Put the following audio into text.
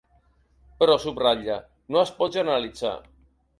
Però subratlla: No es pot generalitzar.